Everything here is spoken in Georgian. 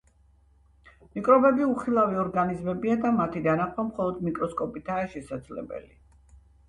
მიკრობები უხილავი ორგანიზმებია და მათი დანახვა მხოლოდ მიკროსკოპითაა შესაძლებელი.